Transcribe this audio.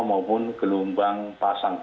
maupun gelombang pasang